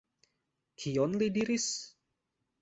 Kion li diris?